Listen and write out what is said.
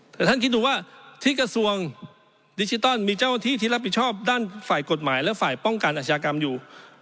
แต่ท่านคิดดูว่าที่กระทรวงดิจิตอลมีเจ้าหน้าที่ที่รับผิดชอบด้านฝ่ายกฎหมายและฝ่ายป้องกันอาชญากรรมอยู่